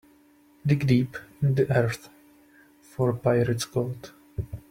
Dig deep in the earth for pirate's gold.